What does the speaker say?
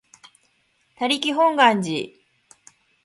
他力本願寺